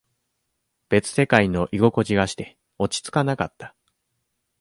別世界の居心地がして、落ち着かなかった。